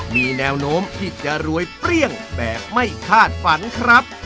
มีแนวโน้มที่จะรวยเปรี้ยงแบบไม่คาดฝันครับ